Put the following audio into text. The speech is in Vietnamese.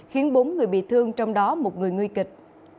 khiến bốn người bị thương trong đó một người nguy kịch